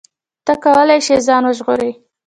ته کولی شې ځان وژغورې.